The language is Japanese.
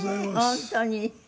本当に。